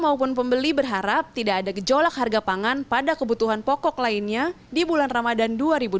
maupun pembeli berharap tidak ada gejolak harga pangan pada kebutuhan pokok lainnya di bulan ramadan dua ribu dua puluh